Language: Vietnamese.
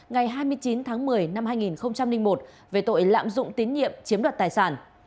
ngày hai mươi chín tháng một mươi năm hai nghìn một về tội lạm dụng tín nhiệm chiếm đoạt tài sản